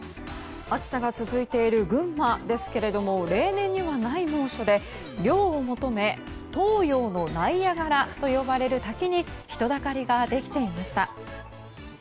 暑さが続いている群馬ですが例年にはない猛暑で涼を求め東洋のナイアガラと呼ばれる滝に人だかりができていました。